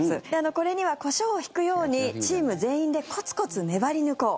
これにはコショウをひくようにチーム全員でコツコツ粘り抜こう。